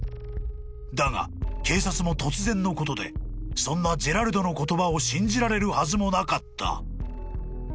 ［だが警察も突然のことでそんなジェラルドの言葉を信じられるはずもなかった］